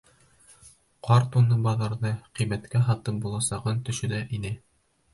Ҡарт уны баҙарҙа ҡиммәткә һатып буласағын төшөнә ине.